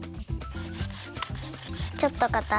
ちょっとかたい？